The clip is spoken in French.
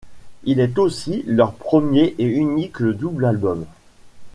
Il est aussi leur premier et unique double album.